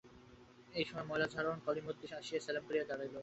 এমন সময় ময়লা ঝাড়ন হাতে কলিমদ্দি আসিয়া সেলাম করিয়া দাঁড়াইল।